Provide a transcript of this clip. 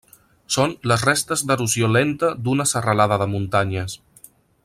Són les restes d'erosió lenta d'una serralada de muntanyes.